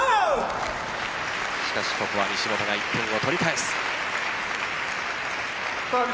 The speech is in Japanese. しかし、ここは西本が１点を取り返す。